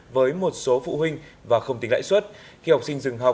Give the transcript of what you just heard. với một số phụ nữ